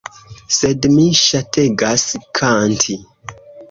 Sed mi ŝategas kanti.